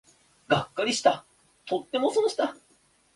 がっかりした、とても損した